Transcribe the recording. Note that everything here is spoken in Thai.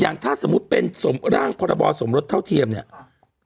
อย่างถ้าสมมุติเป็นสมร่างพรบรสมรสเท่าเทียมเนี้ยอ่า